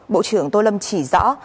bộ trưởng tô lâm chỉ rõ